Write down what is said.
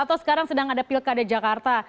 atau sekarang sedang ada pilkada jakarta